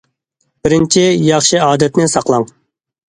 بىرىنچى، ياخشى ئادەتنى ساقلاڭ.